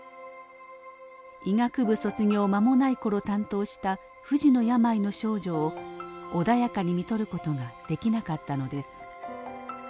医学部卒業間もない頃担当した不治の病の少女を穏やかに看取る事ができなかったのです。